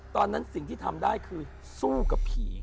ตอนนั้นสิ่งที่ทำได้คือสู้กับผี